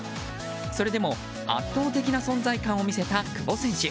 それでも圧倒的な存在感を見せた久保選手。